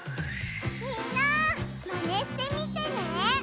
みんなまねしてみてね！